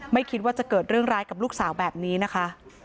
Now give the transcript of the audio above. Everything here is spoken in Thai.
ไม่คิดว่าจะเกิดเรื่องร้ายกับลูกสาวแบบนี้นะคะ